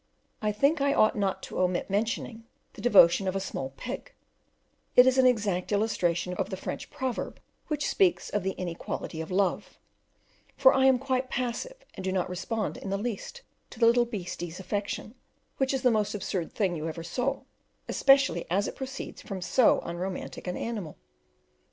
I think I ought not to omit mentioning the devotion of a small pig; it is an exact illustration of the French proverb which speaks of the inequality of love, for I am quite passive and do not respond in the least to the little beastie's affection, which is the most absurd thing you ever saw, especially as it proceeds from so unromantic an animal.